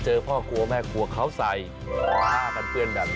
เจอพ่อกลัวแม่กลัวเขาใส่มากันเตือนแบบนี้